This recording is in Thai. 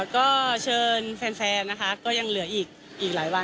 ก็เชิญแฟนนะคะก็ยังเหลืออีกหลายวันอีกหลายนัดนะคะ